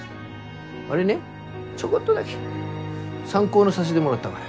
あれねちょこっとだけ参考にさしでもらったがや。